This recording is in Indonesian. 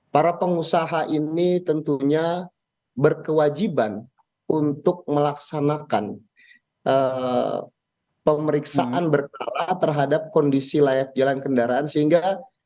para pengusaha ini tentunya berkewajiban untuk melaksanakan pemeriksaan berkala terhadap kondisi layak jalan kendaraan sehingga